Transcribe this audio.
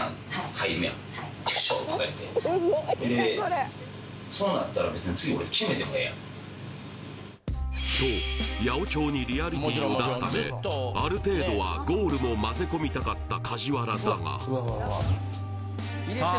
はいはいと八百長にリアリティーを出すためある程度はゴールも混ぜ込みたかった梶原だがさあ